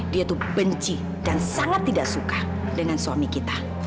dia tuh benci dan sangat tidak suka dengan suami kita